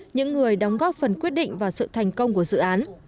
những người đóng góp phần quyết định vào sự thành công của dự án